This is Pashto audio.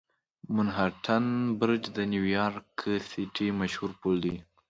منهاټن برج د نیویارک سیټي مشهور پل دی.